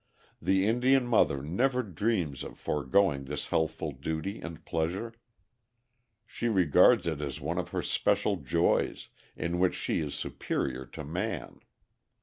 The Indian mother never dreams of foregoing this healthful duty and pleasure. She regards it as one of her special joys, in which she is superior to man.